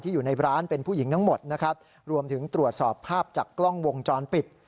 อยู่ในร้านเป็นผู้หญิงทั้งหมดนะครับรวมถึงตรวจสอบภาพจากกล้องวงจรปิด